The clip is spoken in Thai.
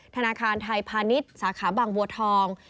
ธนาคารไทยพาณิชย์สาขาบางบัวทอง